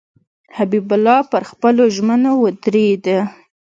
حبیب الله پر خپلو ژمنو ودرېدی.